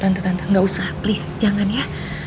tante tante gak usah please jangan ya